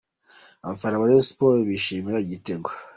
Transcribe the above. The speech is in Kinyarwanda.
Abafana ba Rayon Sports bishimira igitego.